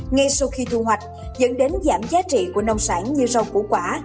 ngay sau khi thu hoạch dẫn đến giảm giá trị của nông sản như rau củ quả